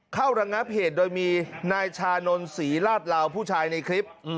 ระงับเหตุโดยมีนายชานนท์ศรีลาดลาวผู้ชายในคลิป